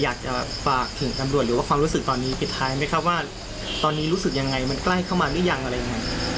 อยากจะฝากถึงตำรวจหรือว่าความรู้สึกตอนนี้ปิดท้ายไหมครับว่าตอนนี้รู้สึกยังไงมันใกล้เข้ามาหรือยังอะไรยังไง